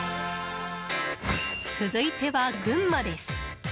続いては群馬です。